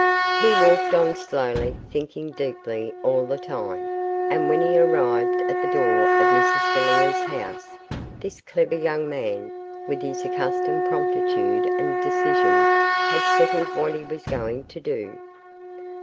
He walked on slowly, thinking deeply all the time, and when he arrived at the door of Mrs Villiers' house, this clever young man, with his accustomed promptitude and decision, had settled what he was going to do.